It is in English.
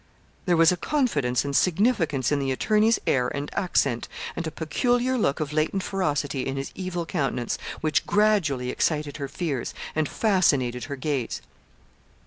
There was a confidence and significance in the attorney's air and accent, and a peculiar look of latent ferocity in his evil countenance, which gradually excited her fears, and fascinated her gaze.